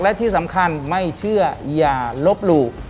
และที่สำคัญไม่เชื่ออย่าลบหลู่